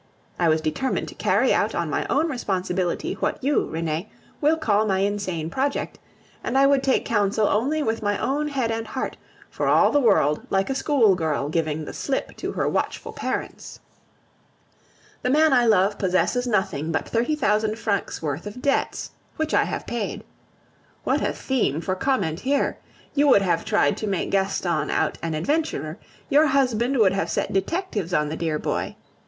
I was determined to carry out, on my own responsibility, what you, Renee, will call my insane project, and I would take counsel only with my own head and heart, for all the world like a schoolgirl giving the slip to her watchful parents. The man I love possesses nothing but thirty thousand francs' worth of debts, which I have paid. What a theme for comment here! You would have tried to make Gaston out an adventurer; your husband would have set detectives on the dear boy.